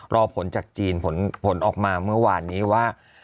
รอผลจากจีนผลออกมาเมื่อวานนี้ว่า